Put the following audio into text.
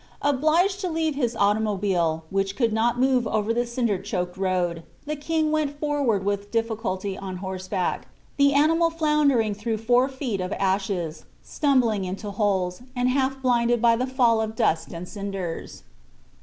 Obliged to leave his automobile, which could not move over the cinder choked road, the King went forward with difficulty on horseback, the animal floundering through four feet of ashes, stumbling into holes, and half blinded by the fall of dust and cinders.